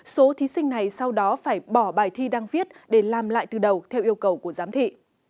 số thí sinh này sau đó phải bỏ bài thi đăng viết để làm lại từ đầu theo yêu cầu của giám thị